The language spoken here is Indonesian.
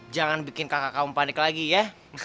jangan bikin kakak kamu panik lagi ya